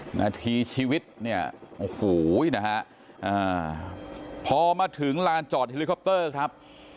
หน้าที่ชีวิตพอมาถึงลานจอดเฮลิคอปเตอร์ครับ